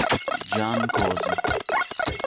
Jan Kosi